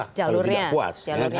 kalau tidak puas